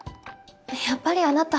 やっぱりあなた。